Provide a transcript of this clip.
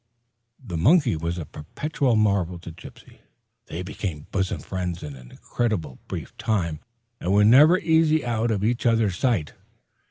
The monkey was a perpetual marvel to Gypsy. They became bosom friends in an incredibly brief period, and were never easy out of each other's sight.